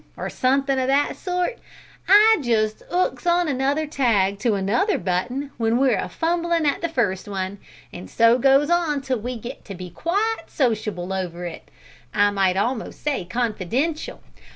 or suthin o' that sort, I just 'ooks on another tag to another button w'en we're a fumblin' at the first one, and so goes on till we get to be quite sociable over it I might almost say confidential.